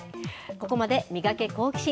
ここまで、ミガケ、好奇心！